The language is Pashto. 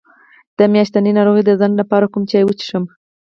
د میاشتنۍ ناروغۍ د ځنډ لپاره کوم چای وڅښم؟